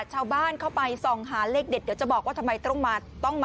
ชาวบ้านเข้าไปส่องหาเลขเด็ดเดี๋ยวจะบอกว่าทำไมต้องมาต้องมา